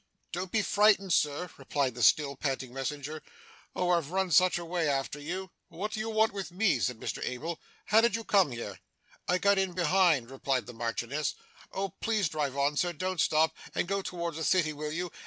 'Don't be frightened, Sir,' replied the still panting messenger. 'Oh I've run such a way after you!' 'What do you want with me?' said Mr Abel. 'How did you come here?' 'I got in behind,' replied the Marchioness. 'Oh please drive on, sir don't stop and go towards the City, will you?